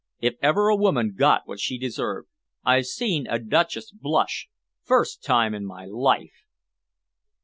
If ever a woman got what she deserved! I've seen a duchess blush first time in my life!"